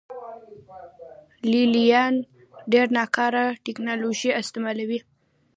لې لیان ډېره ناکاره ټکنالوژي استعملوي